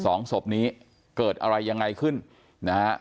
สองศพนี้เกิดอะไรยังไงขึ้นนะฮะ